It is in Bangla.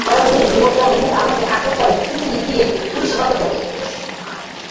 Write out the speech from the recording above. পরে লোকজন নুরুল আলমকে আটক করে পিটুনি দিয়ে পুলিশে সোপর্দ করেন।